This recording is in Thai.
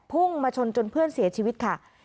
พุ่งมาชนจนเพื่อนเสียชีวิตค่ะ